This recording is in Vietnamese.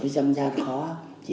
chỉ có trong gia khó